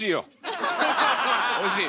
おいしい。